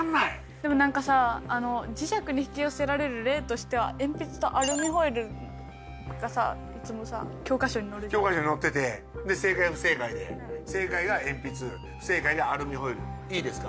でも何かさ磁石に引き寄せられる例としては鉛筆とアルミホイルがさいつもさ教科書に載るじゃん教科書に載っててで正解不正解で正解が鉛筆不正解がアルミホイルいいですか？